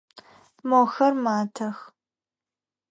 Мохэр матэх.